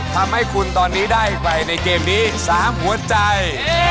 ทำให้คุณตอนนี้ได้ไปในเกมนี้๓หัวใจ